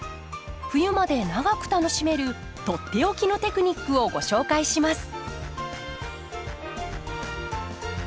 冬まで長く楽しめるとっておきのテクニックをご紹介します。